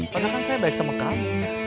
padahal saya baik sama kamu